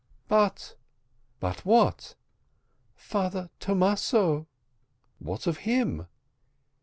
"But " "But what?" "Father Thomaso." "What of him?"